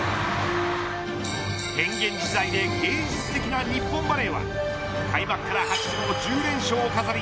変幻自在で芸術的な日本バレーは開幕から初の１０連勝を飾り